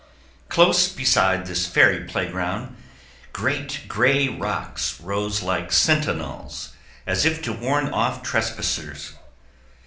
Close beside this fairy playground great gray rocks rose like sentinels, as if to warn off trespassers.